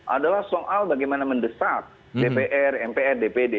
adalah soal bagaimana mendesak dpr mpr dpd